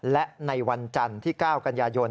และในวันจันทร์ที่๙กันยายน